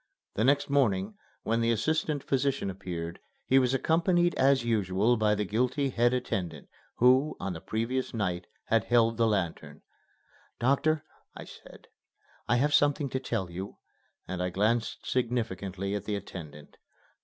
The next morning, when the assistant physician appeared, he was accompanied as usual by the guilty head attendant who, on the previous night, had held the lantern. "Doctor," I said, "I have something to tell you," and I glanced significantly at the attendant.